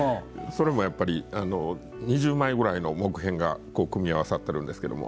それもやっぱり２０枚ぐらいの木片が組み合わさってるんですけども。